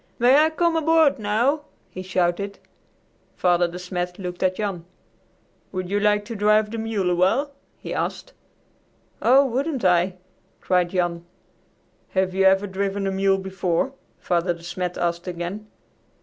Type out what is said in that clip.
"May I come aboard now?" he shouted. Father De Smet looked at Jan. "Would you like to drive the mule awhile?" he asked. "Oh, wouldn't I!" cried Jan. "Have you ever driven a mule before?" Father De Smet asked again.